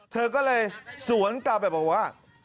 เธอก็เลยสวนกลับไปบอกว่า